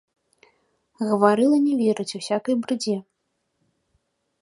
Гаварыла не верыць усякай брыдзе!